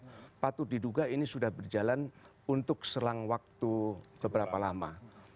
karena patut diduga ini sudah berjalan untuk selang waktu beberapa lama